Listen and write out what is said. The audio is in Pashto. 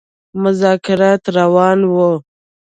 مذاکرات روان وه.